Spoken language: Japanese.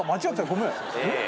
ごめん。